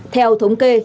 theo thống kê